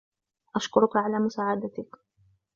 أشكرك على مساعدتك